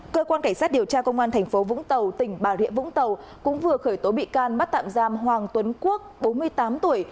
cơ quan cảnh sát điều tra công an thành phố vũng tàu tỉnh bà rịa vũng tàu cũng vừa khởi tố bị can bắt tạm giam hoàng tuấn quốc bốn mươi tám tuổi